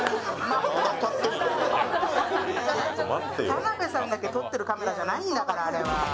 田辺さんだけ撮ってるカメラじゃないんだから。